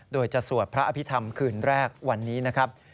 โดยจะสวดพระอภิษฐรรมคืนแรกวันนี้นะครับ